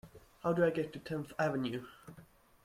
How do I get to Tenth Avenue?